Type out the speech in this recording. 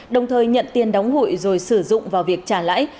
đồng thời nhận tiền đóng hụi rồi sử dụng vào việc trả lãi